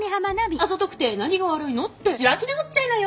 「あざとくて何が悪いの？」って開き直っちゃいなよ！